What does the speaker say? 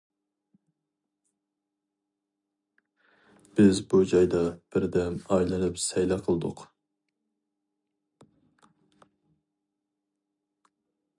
بىز بۇ جايدا بىردەم ئايلىنىپ سەيلە قىلدۇق.